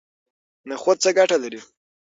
نخود څه ګټه لري؟